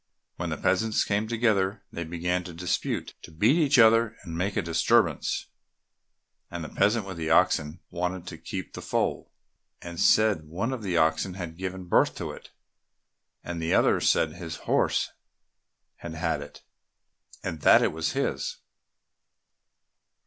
When the peasants came together, they began to dispute, to beat each other and make a disturbance, and the peasant with the oxen wanted to keep the foal, and said one of the oxen had given birth to it, and the other said his horse had had it, and that it was his.